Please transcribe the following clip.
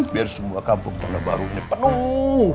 biar semua kampung kampung baru ini penuh